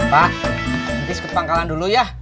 pak intis ke pangkalan dulu ya